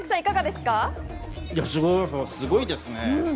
すごいですね。